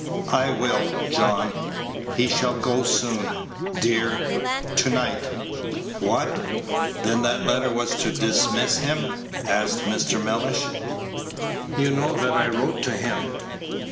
"I will, John; he shall go soon, dear to night!" "What! then that letter was to dismiss him?" asked Mr. Mellish. "You know that I wrote to him?"